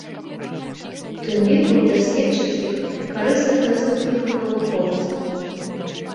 У тым ліку даследчыцкіх, карысных наступнікам-навукоўцам.